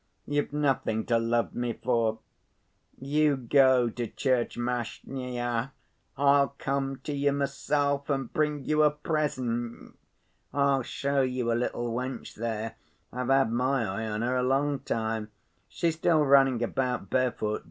You've nothing to love me for. You go to Tchermashnya. I'll come to you myself and bring you a present. I'll show you a little wench there. I've had my eye on her a long time. She's still running about bare‐foot.